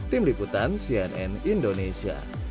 tim liputan cnn indonesia